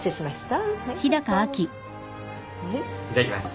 いただきます。